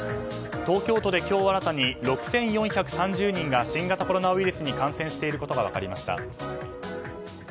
東京都で今日新たに６４３０人が新型コロナウイルスに感染していることが分かりました。